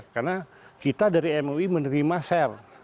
karena kita dari mui menerima share